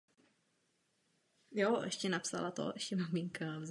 V Moskvě byla hrána také společná událost mužů a žen Kremlin Cup.